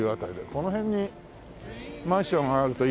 この辺にマンションがあるといいよね。